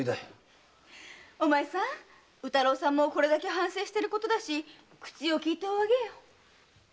宇太郎さんもこれだけ反省してることだし口を利いておあげよ。